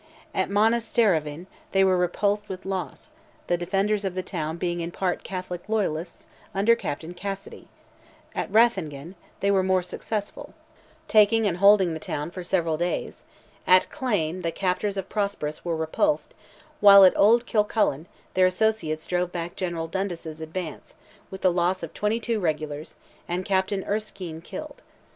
At Monastereven they were repulsed with loss, the defenders of the town being in part Catholic loyalists, under Captain Cassidy; at Rathangan, they were more successful, taking and holding the town for several days; at Clane, the captors of Prosperous were repulsed; while at Old Killcullen, their associates drove back General Dundas' advance, with the loss of 22 regulars and Captain Erskine killed.